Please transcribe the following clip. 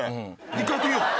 １回やってみよう。